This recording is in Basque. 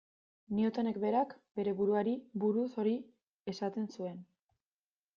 Newtonek berak bere buruari buruz hori esaten zuen.